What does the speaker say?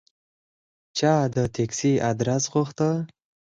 چا د تکسي آدرس غوښته.